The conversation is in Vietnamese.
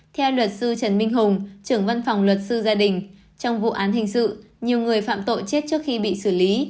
theo luật sư trần minh hùng trưởng văn phòng luật sư gia đình trong vụ án hình sự nhiều người phạm tội chết trước khi bị xử lý